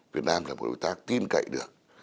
việt nam là một đối tác tin cậy được